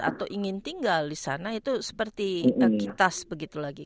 atau ingin tinggal di sana itu seperti kitas begitu lagi